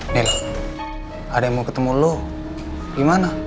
nila ada yang mau ketemu lo gimana